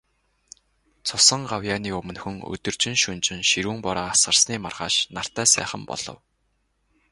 Цусан гавьяаны өмнөхөн, өдөржин, шөнөжин ширүүн бороо асгарсны маргааш нартай сайхан өдөр болов.